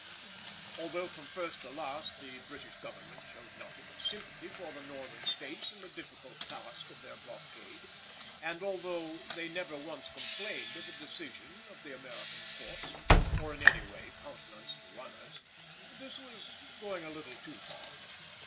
Although from first to last the British Government showed nothing but sympathy with the Northern States in the difficult task of their blockade, and although they never once complained of a decision of the American Courts, or in any way countenanced the runners, this was going a little too far.